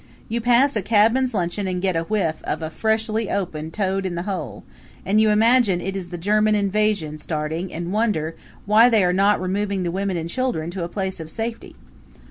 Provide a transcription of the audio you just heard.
You pass a cabmen's lunchroom and get a whiff of a freshly opened Toad in the Hole and you imagine it is the German invasion starting and wonder why they are not removing the women and children to a place of safety.